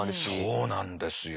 そうなんですよ。